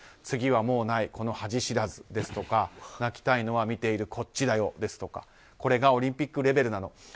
次はもうないこの恥知らずですとか泣きたいのは見ているこっちだよですとかこれがオリンピックレベルなの？